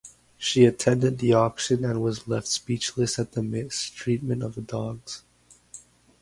She attended the auction and was left speechless at the mistreatment of the dogs.